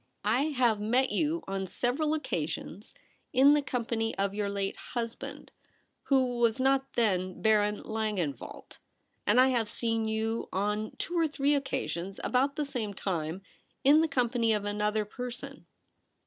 I have met you on several occasions in the company of your 282 THE REBEL ROSE. late husband — who was not then Baron Lan genwelt ; and I have seen you on two or three occasions, about the same time, in the company of another person.'